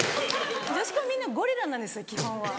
女子校はみんなゴリラなんですよ基本は。